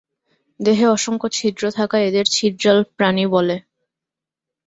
দেহে অসংখ্য ছিদ্র থাকায় এদের ছিদ্রাল প্রাণী বলে।